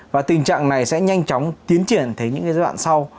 và tình trạng này sẽ nhanh chóng tiến triển tới những giai đoạn sau